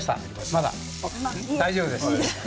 まだ大丈夫です。